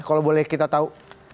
kalau boleh kita tahu